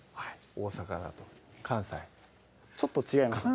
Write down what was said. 大阪だと関西ちょっと違います？